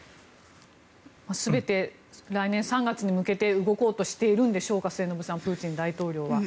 全て来年３月に向けて動こうとしているんでしょうか末延さん、プーチン大統領は。